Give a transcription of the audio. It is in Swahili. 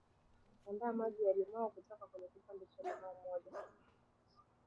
andaa Maji ya limao kutoka kwenye Kipande cha limao moja